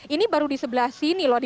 ini baru di sebelah sini loh